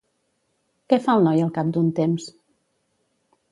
Què fa el noi al cap d'un temps?